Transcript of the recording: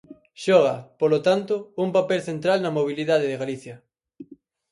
Xoga, polo tanto, un papel central na mobilidade de Galicia.